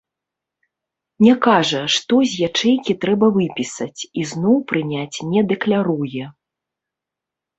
Не кажа, што з ячэйкі трэба выпісаць, і зноў прыняць не дакляруе.